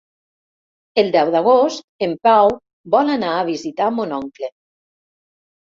El deu d'agost en Pau vol anar a visitar mon oncle.